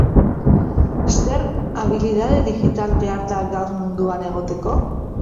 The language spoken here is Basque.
Zer abilidade digital behar da gaur munduan egoteko?